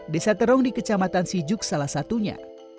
desa terong di kecamatan sijuk salah satunya